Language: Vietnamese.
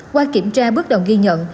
qua kiểm tra bước đầu ghi nhận